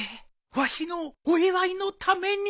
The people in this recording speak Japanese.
わしのお祝いのために？